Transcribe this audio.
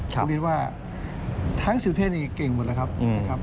คุณบิ๊ธิ์ว่าทั้งศิลป์เทศก็เก่งหมดแล้วครับ